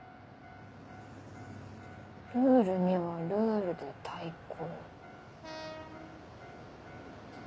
ルールにはルールで対抗。